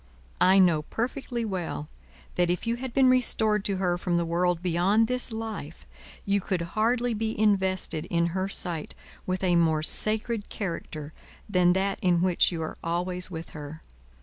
I know perfectly well that if you had been restored to her from the world beyond this life, you could hardly be invested, in her sight, with a more sacred character than that in which you are always with her.